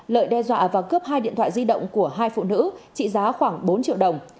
lợi đe dọa và cướp hai điện thoại di động của hai phụ nữ trị giá khoảng bốn triệu đồng